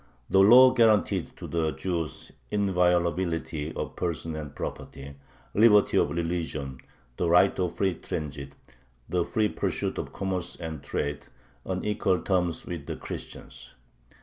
The law guaranteed to the Jews inviolability of person and property, liberty of religion, the right of free transit, the free pursuit of commerce and trade, on equal terms with the Christians.